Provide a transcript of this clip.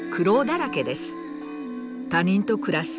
他人と暮らす。